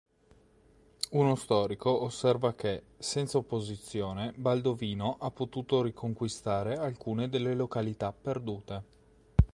Uno storico osserva che, "senza opposizione, Baldovino ha potuto riconquistare alcune delle località perdute".